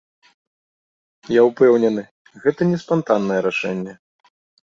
Я ўпэўнены, гэта не спантаннае рашэнне.